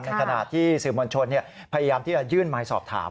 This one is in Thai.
ขณะที่สื่อมวลชนพยายามที่จะยื่นไมค์สอบถาม